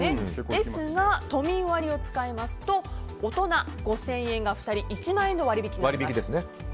ですが、都民割を使いますと大人５０００円が２人１万円の割引になります。